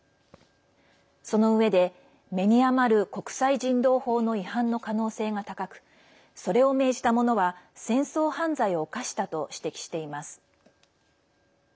そのうえで、目に余る国際人道法の違反の可能性が高くそれを命じた者は戦争犯罪を犯したと指摘しています。